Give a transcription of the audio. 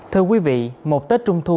thưa quý vị một tết trung thu